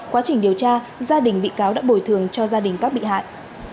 quá trình điều tra gia đình bị cáo đã bồi thường cho gia đình các bị hại